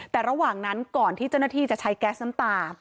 แต่ระหว่างนั้นก่อนที่เจ้าหน้าที่จะใช้แก๊สน้ำตา